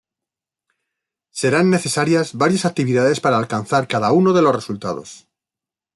Serán necesarias varias actividades para alcanzar cada uno de los resultados.